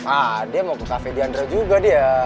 ah dia mau ke cafe diandro juga dia